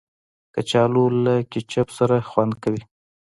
کچالو له کیچپ سره خوند کوي